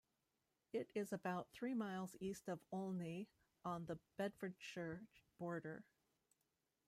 It is about three miles east of Olney, on the Bedfordshire border.